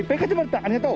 ありがとう。